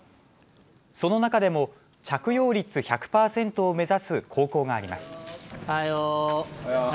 その中でも着用率１００％を目指す高校があります。